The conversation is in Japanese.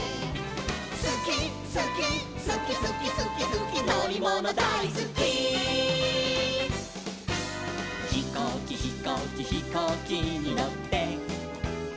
「すきすきすきすきすきすきのりものだいすき」「ひこうきひこうきひこうきにのって」